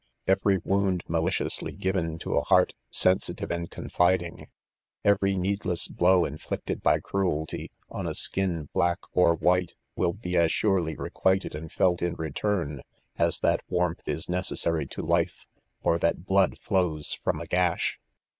Every wound maliciously given to a heart, sensitive and confiding, every needless hlow inflict ed by cruelty, on a sMa black or white, will be .as surely requited and felt in return 3 as .that warmth is necessary to life, or that blood flows from a ga^h.